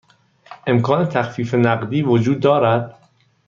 امکان تخفیف نقدی وجود دارد؟